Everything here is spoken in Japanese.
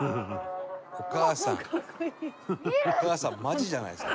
「お母さんマジじゃないですか」